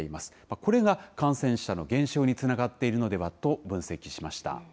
これが感染者の減少につながっているのではと分析しました。